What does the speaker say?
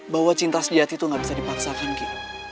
bahwa cinta sejati itu gak bisa dipaksakan ki